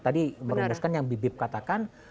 tadi merumuskan yang bibip katakan